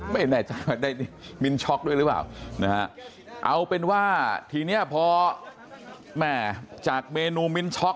ไม่แน่ใจได้มิ้นช็อกด้วยหรือเปล่านะฮะเอาเป็นว่าทีเนี้ยพอแม่จากเมนูมิ้นช็อก